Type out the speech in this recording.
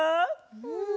うん。